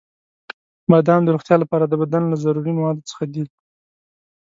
• بادام د روغتیا لپاره د بدن له ضروري موادو څخه دی.